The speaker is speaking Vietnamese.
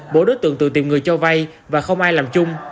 bộ đối tượng tự tìm người cho vay và không ai làm chung